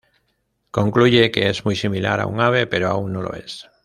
Concluye que "es muy similar a un ave, pero aún no lo es".